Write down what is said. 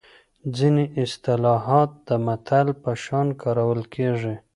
ځینې اصطلاحات د متل په شان کارول کیږي